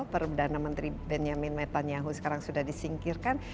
perdana menteri benjamin netanyahu sekarang sudah disingkirkan